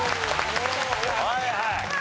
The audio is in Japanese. はいはい。